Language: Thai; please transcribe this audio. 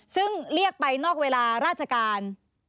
ซึ่งเรียกไปนอกเวลาราชการ